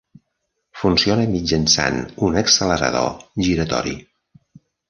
Funciona mitjançant un accelerador giratori.